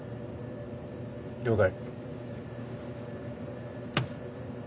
了解。